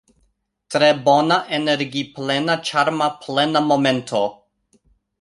Tre bona energi-plena ĉarma plena momento